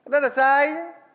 đó là sai